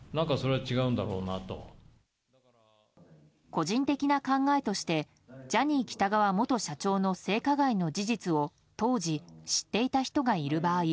個人的な考えとしてジャニー喜多川元社長の性加害の事実を当時、知っていた人がいる場合